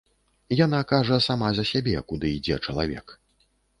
Яна кажа сама за сябе, куды ідзе чалавек.